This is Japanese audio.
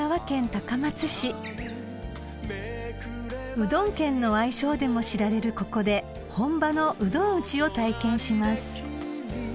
［うどん県の愛称でも知られるここで本場のうどん打ちを体験します］